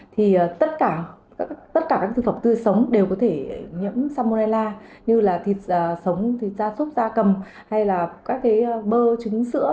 tất cả các thực phẩm tươi sống đều có thể nhiễm salmonella như thịt xa xúc xa cầm hay bơ trứng sữa